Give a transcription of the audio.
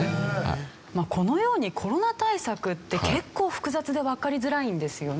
このようにコロナ対策って結構複雑でわかりづらいんですよね。